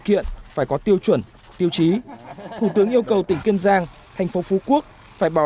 kiện phải có tiêu chuẩn tiêu chí thủ tướng yêu cầu tỉnh kiên giang thành phố phú quốc phải bảo